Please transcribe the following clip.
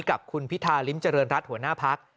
กับคุณพิธาริมเจริญรัฐหัวหน้าพัก